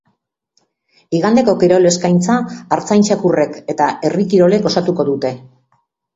Igandeko kirol eskaintza artzain txakurrek eta herri kirolek osatuko dute.